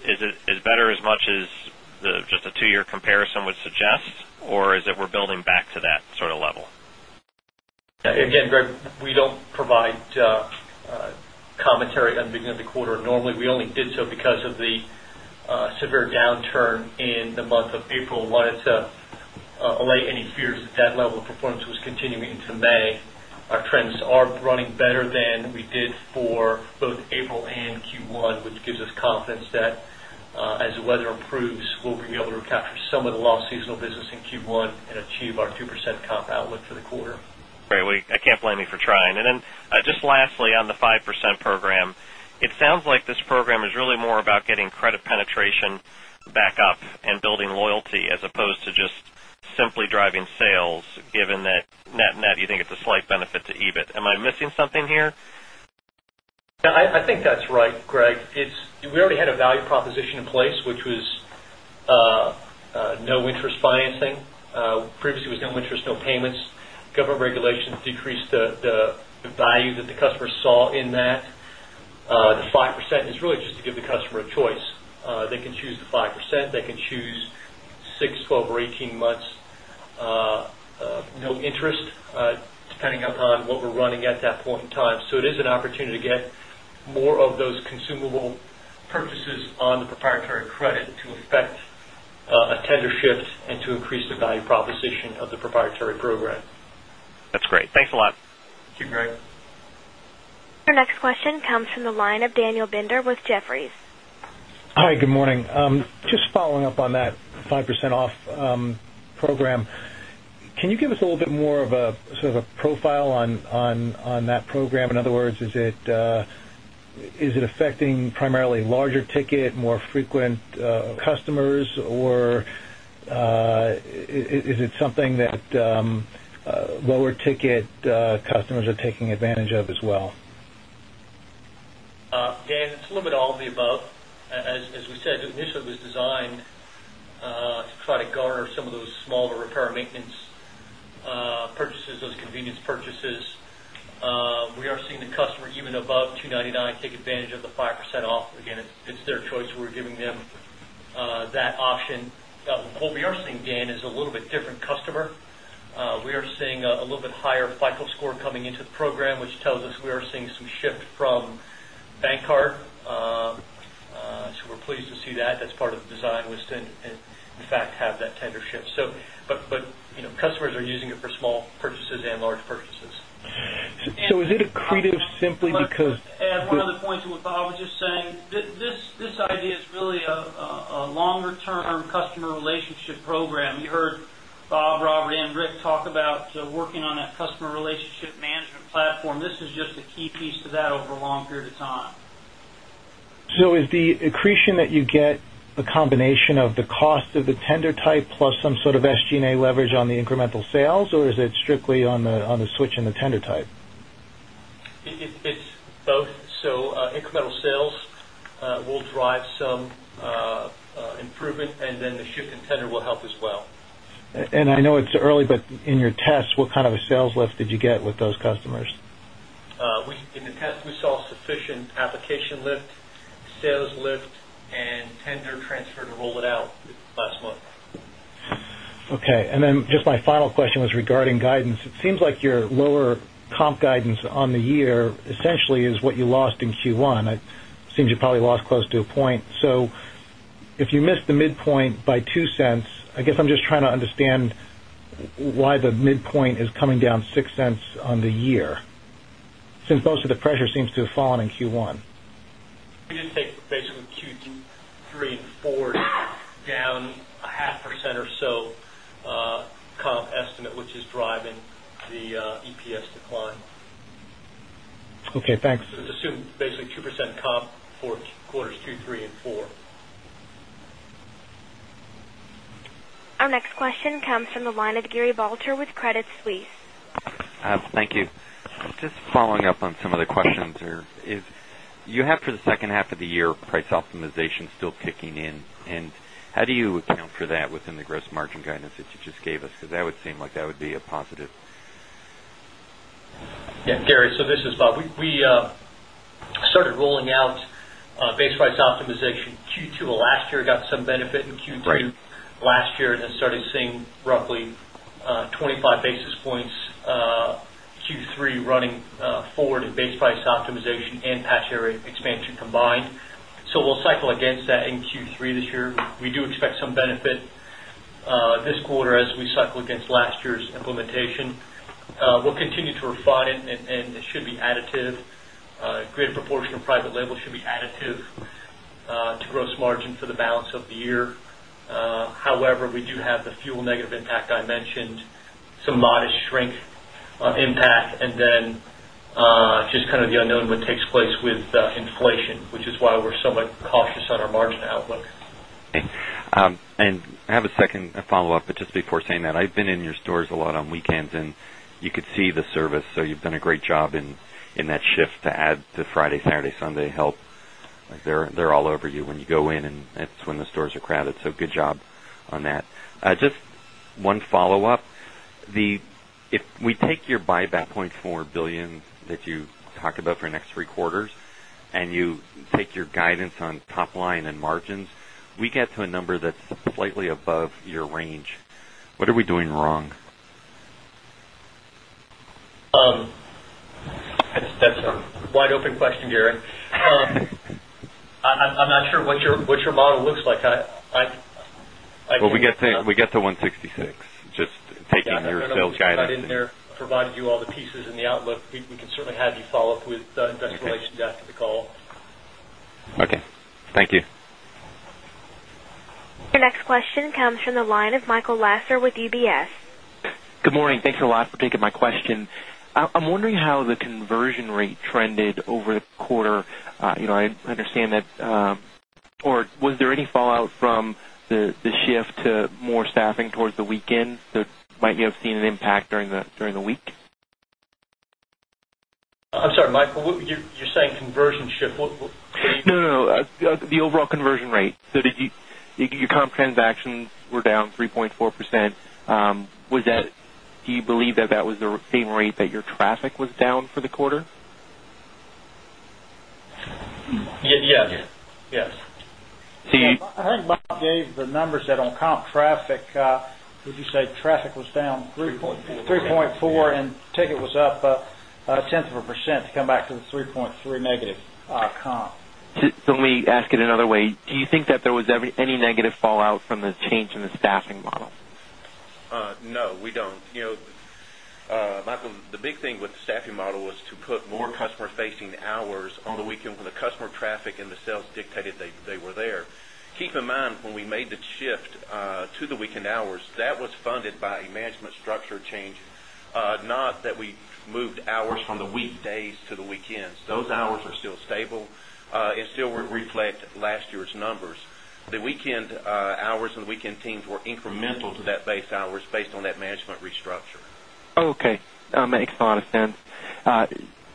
is it better as much as just a two-year comparison would suggest, or is it we're building back to that sort of level? Again, Greg, we don't provide commentary on the beginning of the quarter. Normally, we only did so because of the severe downturn in the month of April. Let us allay any fears that that level of performance was continuing into May. Our trends are running better than we did for both April and Q1, which gives us confidence that as the weather improves, we'll be able to recapture some of the lost seasonal business in Q1 and achieve our 2% comp outlook for the quarter. Great. I can't blame you for trying. Lastly, on the 5% program, it sounds like this program is really more about getting credit penetration back up and building loyalty as opposed to just simply driving sales, given that net and net, you think it's a slight benefit to EBIT. Am I missing something here? I think that's right, Greg. We already had a value proposition in place, which was no interest financing. Previously, it was no interest, no payments. Government regulations decreased the value that the customer saw in that. The 5% is really just to give the customer a choice. They can choose the 5%. They can choose 6, 12, or 18 months, no interest, depending upon what we're running at that point in time. It is an opportunity to get more of those consumable purchases on the proprietary credit to affect a tender shift and to increase the value proposition of the proprietary program. That's great. Thanks a lot. Thank you, Greg. Our next question comes from the line of Daniel Binder with Jefferies. Hi, good morning. Just following up on that 5% off program, can you give us a little bit more of a sort of a profile on that program? In other words, is it affecting primarily larger ticket, more frequent customers, or is it something that lower ticket customers are taking advantage of as well? Again, it's a little bit of all of the above. As we said, it initially was designed to try to garner some of those smaller repair maintenance purchases, those convenience purchases. We are seeing the customer even above $299 take advantage of the 5% off. Again, it's their choice. We're giving them that option. What we are seeing, Dan, is a little bit different customer. We are seeing a little bit higher FIFO score coming into the program, which tells us we are seeing some shift from bank card. We are pleased to see that. That's part of the design was to, in fact, have that tender shift. Customers are using it for small purchases and large purchases. Is it a creative simply because? One of the points in what Bob was just saying, this idea is really a longer-term customer relationship program. You heard Bob, Robert Niblock, and Rick Damron talk about working on that customer relationship management platform. This is just a key piece to that over a long period of time. Is the accretion that you get a combination of the cost of the tender type plus some sort of SG&A leverage on the incremental sales, or is it strictly on the switch in the tender type? Incremental sales will drive some improvement, and the shift in tender will help as well. I know it's early, but in your tests, what kind of a sales lift did you get with those customers? In the test, we saw sufficient application lift, sales lift, and tender transfer to roll it out this last month. Okay. Just my final question was regarding guidance. It seems like your lower comp guidance on the year essentially is what you lost in Q1. It seems you probably lost close to a point. If you missed the midpoint by $0.02, I guess I'm just trying to understand why the midpoint is coming down $0.06 on the year, since most of the pressure seems to have fallen in Q1. It just takes basically Q2, three, and four down a half % or so comp estimate, which is driving the EPS decline. Okay. Thanks. Assume basically 2% comp for quarters two, three, and four. Our next question comes from the line of Gary Balter with Credit Suisse. Thank you. I was just following up on some of the questions. You have for the second half of the year base price optimization still kicking in. How do you account for that within the gross margin guidance that you just gave us? That would seem like that would be a positive. Yeah, Gary, this is Bob. We started rolling out base price optimization in Q2 of last year, got some benefit in Q3 last year, and then started seeing roughly 25 basis points in Q3 running forward in base price optimization and patch area expansion combined. We will cycle against that in Q3 this year. We do expect some benefit this quarter as we cycle against last year's implementation. We'll continue to refine it, and it should be additive. Greater proportion of private label should be additive to gross margin for the balance of the year. However, we do have the fuel negative impact I mentioned, some modest shrink on impact, and then it's just kind of the unknown what takes place with inflation, which is why we're somewhat cautious on our margin outlook. Okay. I have a second follow-up, but just before saying that, I've been in your stores a lot on weekends, and you could see the service. You've done a great job in that shift to add the Friday, Saturday, Sunday help. They're all over you when you go in, and that's when the stores are crowded. Good job on that. Just one follow-up. If we take your buyback $0.4 billion that you talk about for the next three quarters, and you take your guidance on top line and margins, we get to a number that's slightly above your range. What are we doing wrong? That's a wide open question, Gary. I'm not sure what your model looks like. We get to 166, just taking your sales guidance. I didn't provide you all the pieces in the outlook. We can certainly have you follow up with the investigation after the call. Okay. Thank you. The next question comes from the line of Michael Lasser with UBS. Good morning. Thanks a lot for taking my question. I'm wondering how the conversion rate trended over the quarter. I understand that, or was there any fallout from the shift to more staffing towards the weekend? Might you have seen an impact during the week? I'm sorry, Michael, you're saying conversion shift? The overall conversion rate. Did you get your comp transactions were down 3.4%? Do you believe that that was the same rate that your traffic was down for the quarter? Yes. See, I might gave the numbers that on comp traffic, did you say traffic was down 3.4% and ticket was up a tenth of a percent to come back to the 3.3% negative comp? Let me ask it another way. Do you think that there was any negative fallout from the change in the staffing models? No, we don't. You know, Michael, the big thing with the staffing model was to put more customer-facing hours on the weekend when the customer traffic and the sales dictated they were there. Keep in mind, when we made the shift to the weekend hours, that was funded by a management structure change, not that we moved hours from the weekdays to the weekends. Those hours are still stable and still reflect last year's numbers. The weekend hours and weekend teams were incremental to that base hours based on that management restructure. Okay. That makes a lot of sense.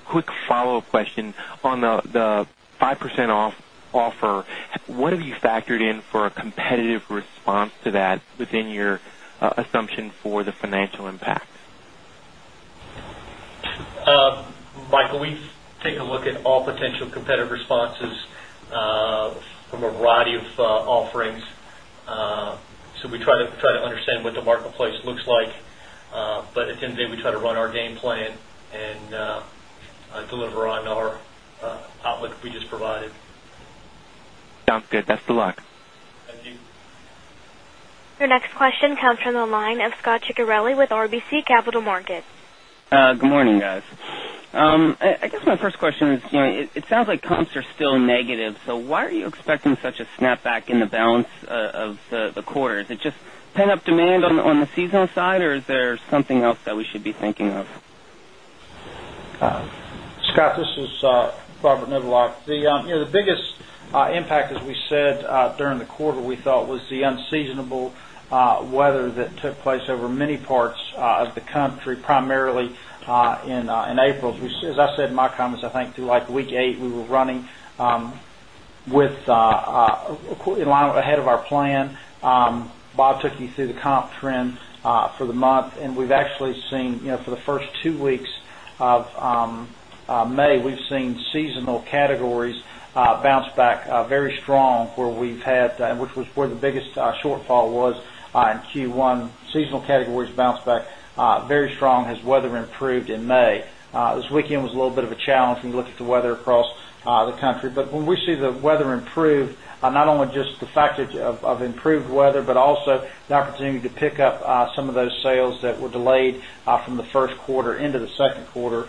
Quick follow-up question. On the 5% off everyday offer, what have you factored in for a competitive response to that within your assumption for the financial impact? Michael, we've taken a look at all potential competitive responses from a variety of offerings. We try to understand what the marketplace looks like. At the end of the day, we try to run our game plan and deliver on our outlook that we just provided. Sounds good. Thanks a lot. Our next question comes from the line of Scot Ciccarelli with RBC Capital Markets. Good morning, guys. I guess my first question is, you know, it sounds like comps are still negative. Why are you expecting such a snapback in the balance of the quarter? Is it just pent-up demand on the seasonal side, or is there something else that we should be thinking of? Scot this is Robert Niblock, the biggest impact, as we said, during the quarter, we thought was the unseasonable weather that took place over many parts of the country, primarily in April. As I said in my comments, I think through like week eight, we were running in line ahead of our plan. Bob took you through the comp trend for the month, and we've actually seen, you know, for the first two weeks of May, we've seen seasonal categories bounce back very strong, where we've had, and which was where the biggest shortfall was in Q1. Seasonal categories bounced back very strong as weather improved in May. This weekend was a little bit of a challenge when you look at the weather across the country. When we see the weather improve, not only just the fact of improved weather, but also the opportunity to pick up some of those sales that were delayed from the first quarter into the second quarter,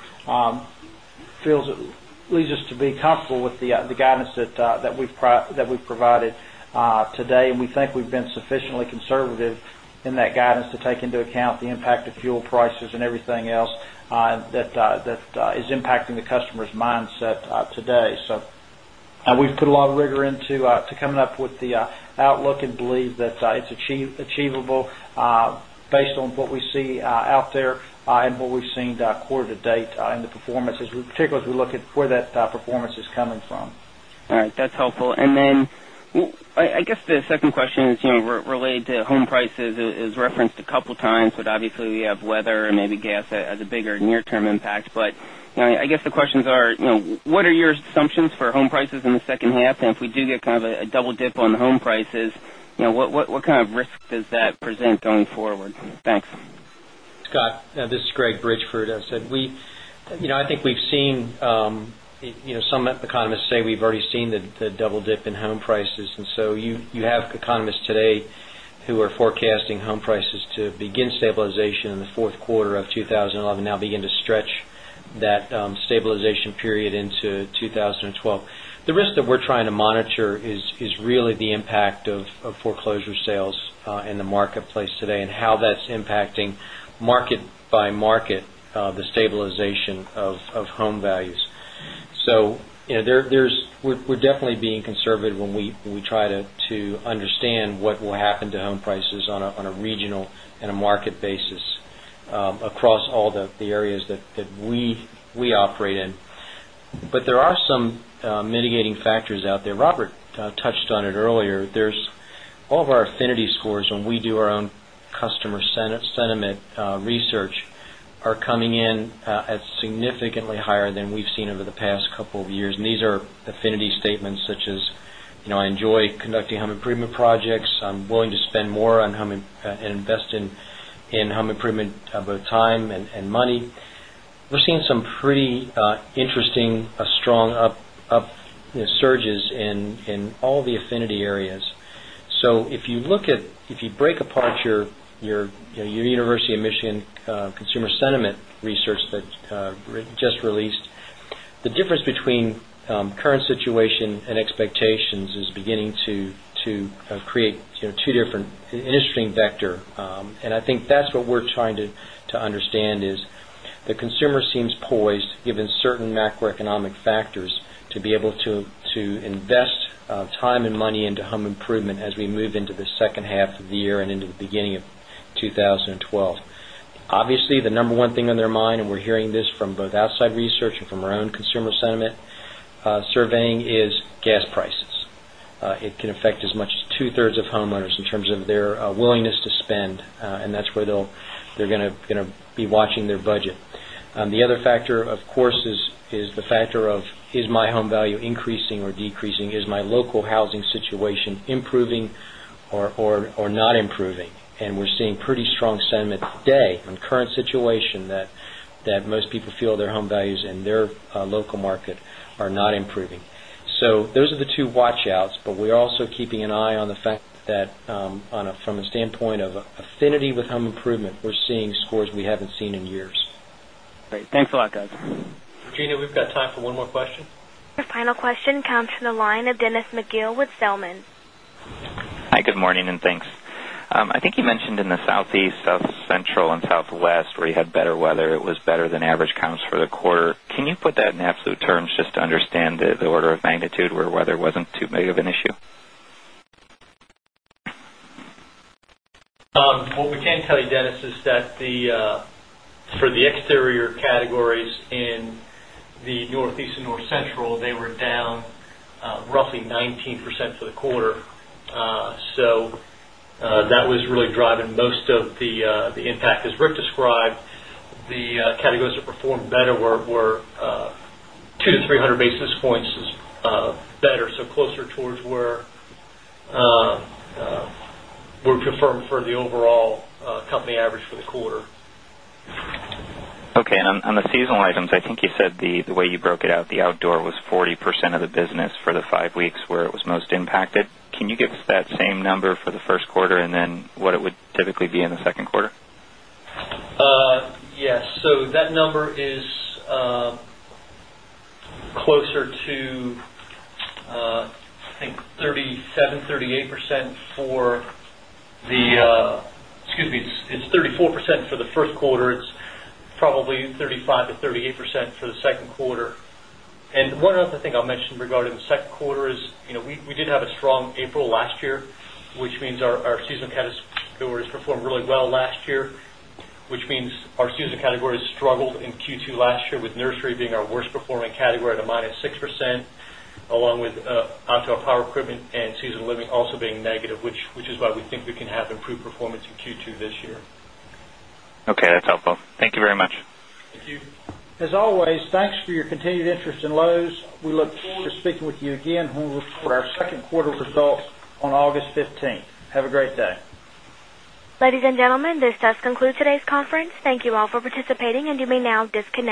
leads us to be comfortable with the guidance that we've provided today. We think we've been sufficiently conservative in that guidance to take into account the impact of fuel prices and everything else that is impacting the customer's mindset today. We've put a lot of rigor into coming up with the outlook and believe that it's achievable based on what we see out there and what we've seen quarter to date in the performance, particularly as we look at where that performance is coming from. All right. That's helpful. I guess the second question is related to home prices. It was referenced a couple of times, but obviously, we have weather and maybe gas as a bigger near-term impact. I guess the questions are, you know, what are your assumptions for home prices in the second half? If we do get kind of a double dip on home prices, you know, what kind of risk does that present going forward? Thanks. Scot, this is Gregory Bridgeford. I said, we, you know, I think we've seen, you know, some economists say we've already seen the double dip in home prices. You have economists today who are forecasting home prices to begin stabilization in the fourth quarter of 2011, now begin to stretch that stabilization period into 2012. The risk that we're trying to monitor is really the impact of foreclosure sales in the marketplace today and how that's impacting market by market the stabilization of home values, so we're definitely being conservative when we try to understand what will happen to home prices on a regional and a market basis across all the areas that we operate in. There are some mitigating factors out there. Robert touched on it earlier. All of our affinity scores when we do our own customer sentiment research are coming in at significantly higher than we've seen over the past couple of years. These are affinity statements such as, you know, I enjoy conducting home improvement projects. I'm willing to spend more on home and invest in home improvement both time and money. We're seeing some pretty interesting strong upsurges in all the affinity areas. If you look at, if you break apart your University of Michigan consumer sentiment research that just released, the difference between current situation and expectations is beginning to create two different interesting vectors. I think that's what we're trying to understand is the consumer seems poised, given certain macroeconomic factors, to be able to invest time and money into home improvement as we move into the second half of the year and into the beginning of 2012. Obviously, the number one thing on their mind, and we're hearing this from both outside research and from our own consumer sentiment surveying, is gas prices. It can affect as much as two-thirds of homeowners in terms of their willingness to spend, and that's where they're going to be watching their budget. The other factor, of course, is the factor of, is my home value increasing or decreasing? Is my local housing situation improving or not improving? We're seeing pretty strong sentiment today on the current situation that most people feel their home values in their local market are not improving. Those are the two watch-outs, but we are also keeping an eye on the fact that from a standpoint of affinity with home improvement, we're seeing scores we haven't seen in years. Great. Thanks a lot, guys. Regina, we've got time for one more question. Our final question comes from the line of Dennis McGill with Zelman. Hi, good morning, and thanks. I think you mentioned in the Southeast, South Central, and Southwest where you had better weather, it was better than average counts for the quarter. Can you put that in absolute terms just to understand the order of magnitude where weather wasn't too big of an issue? What we can tell you, Dennis, is that for the exterior categories in the Northeast and North Central, they were down roughly 19% for the quarter, so that was really driving most of the impact. As Rick described, the categories that performed better were 2%-3% better, so closer towards where we're confirmed for the overall company average for the quarter. Okay. On the seasonal items, I think you said the way you broke it out, the outdoor was 40% of the business for the five weeks where it was most impacted. Can you give us that same number for the first quarter, and then what it would typically be in the second quarter? Yes. That number is closer to, I think, 37%, 38% for the, excuse me, it's 34% for the first quarter. It's probably 35%-38% for the second quarter, and one other thing I'll mention regarding the second quarter is, you know, we did have a strong April last year, which means our seasonal categories performed really well last year, which means our seasonal categories struggled in Q2 last year with nursery being our worst-performing category at a -6%, along with outdoor power equipment and seasonal living also being negative, which is why we think we can have improved performance in Q2 this year. Okay. That's helpful. Thank you very much. Thank you. As always, thanks for your continued interest in Lowe's. We look forward to speaking with you again when we report our second quarter results on August 15th. Have a great day. Ladies and gentlemen, this does conclude today's conference. Thank you all for participating, and you may now disconnect.